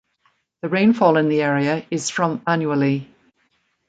The rainfall in the area is from annually.